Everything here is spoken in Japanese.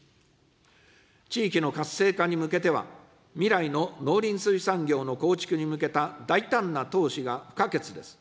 地域の活性化に向けては、未来の農林水産業の構築に向けた大胆な投資が不可欠です。